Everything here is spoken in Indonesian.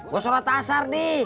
gua surat asar di